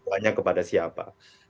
banyak kepada siapa